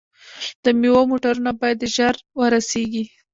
د میوو موټرونه باید ژر ورسیږي.